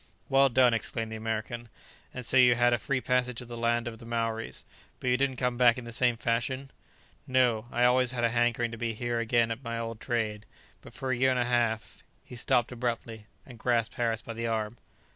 "Well done!" exclaimed the American, "and so you had a free passage to the land of the Maoris. But you didn't come back in the same fashion?" "No; I always had a hankering to be here again at my old trade; but for a year and a half...." He stopped abruptly, and grasped Harris by the arm.